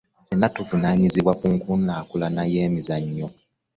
Ffenna tuvunaayizibwa ku nkulaakulana y'emizannyo.